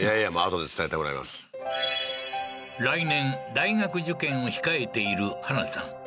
来年大学受験を控えている花菜さん